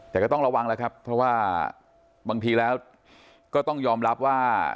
แต่ก็ต้องระวังแล้วครับเพราะว่าบางทีแล้วก็ต้องยอมรับว่า